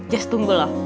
jess tunggu loh